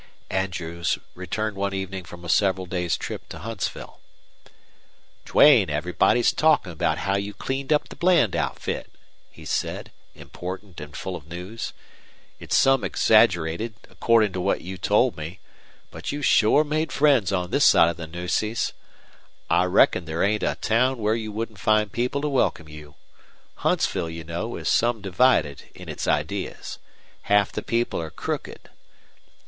Andrews returned one evening from a several days' trip to Huntsville. "Duane, everybody's talkie' about how you cleaned up the Bland outfit," he said, important and full of news. "It's some exaggerated, accordin' to what you told me; but you've shore made friends on this side of the Nueces. I reckon there ain't a town where you wouldn't find people to welcome you. Huntsville, you know, is some divided in its ideas. Half the people are crooked.